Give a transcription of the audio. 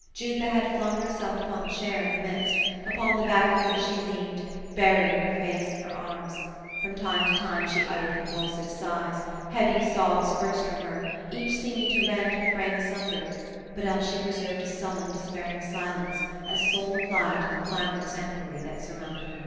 Jutha had flung herself upon a chair in the midst ; upon the back of which she leaned, burying her face in her rms. From time to time she uttered convulsive sighs; heavy sobs burst from her, each seeming to rend her frame asunder; but else she preserved a sullen, despairing silence, as sole reply to the tlamorous enquiry that surrounded her.